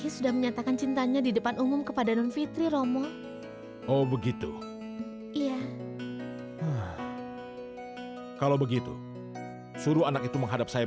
sampai jumpa di video selanjutnya